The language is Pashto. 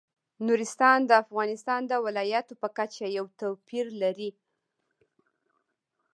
نورستان د افغانستان د ولایاتو په کچه یو توپیر لري.